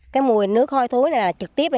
cái mùi nước hôi thối này là trực tiếp ở nhà